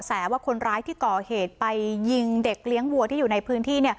ว่าคนร้ายที่ก่อเหตุไปยิงเด็กเลี้ยงวัวที่อยู่ในพื้นที่